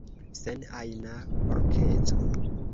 Sen ajna porkeco.